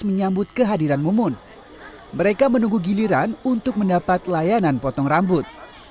menyambut kehadiran mumun mereka menunggu giliran untuk mendapat layanan potong rambut